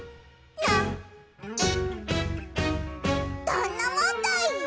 「どんなもんだい！」